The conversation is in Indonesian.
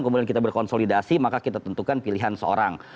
kemudian kita berkonsolidasi maka kita tentukan pilihan seorang